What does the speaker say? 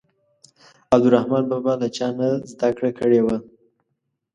عبدالرحمان بابا له چا نه زده کړه کړې وه.